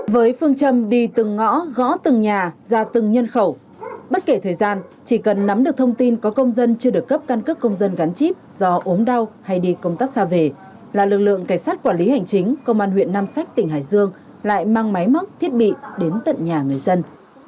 với phương châm đi từng ngõ gõ từng nhà ra từng nhân khẩu bất kể thời gian chỉ cần nắm được thông tin có công dân chưa được cấp căn cước công dân gắn chip do ốm đau hay đi công tác xa về là lực lượng cảnh sát quản lý hành chính công an huyện nam sách tỉnh hải dương lại mang máy móc thiết bị đến tận nhà người dân